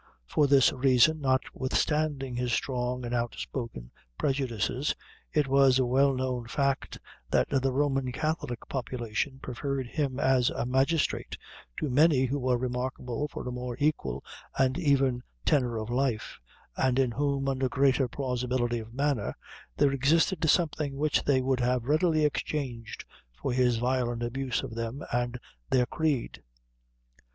For this reason, notwithstanding his strong and out spoken prejudices, it was a well know fact, that the Roman Catholic population preferred him as a magistrate to many who were remarkable for a more equal and even tenor of life, and in whom, under greater plausibility of manner, there existed something which they would have readily exchanged for his violent abuse of them and their creed.